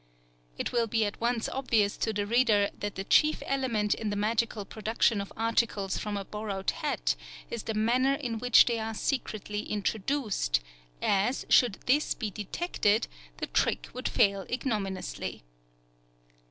It will be at once obvious to the reader that the chief element in the magical production of articles from a borrowed hat, is the manner in which they are secretly introduced, as, should this be detected, the trick would fail ignominiously.